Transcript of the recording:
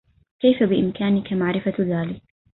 كيف بإمكانك معرفة ذلك؟